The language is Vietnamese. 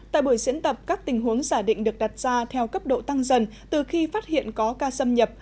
tại buổi diễn tập các tình huống giả định được đặt ra theo cấp độ tăng dần từ khi phát hiện có ca xâm nhập